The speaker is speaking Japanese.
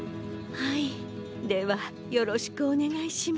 はいではよろしくおねがいします。